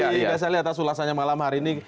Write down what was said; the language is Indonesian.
saya lihat atas ulasannya malam hari ini